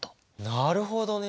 なるほどね。